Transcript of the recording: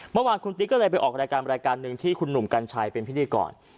เมื่อวานคุณติ๊กก็เลยไปออกรายการรายการหนึ่งที่คุณหนุ่มกัญชัยเป็นพิธีกร